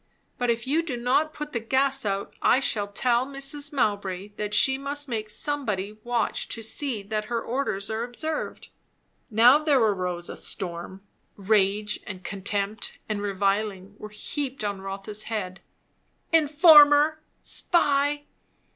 But if you do not put the gas out, I shall tell Mrs. Mowbray that she must make somebody watch to see that her orders are observed." Now there arose a storm; rage and contempt and reviling were heaped on Rotha's head. "Informer!" "Spy!"